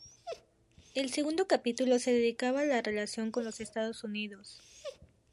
El segundo capítulo se dedicaba a la relación con los Estados Unidos.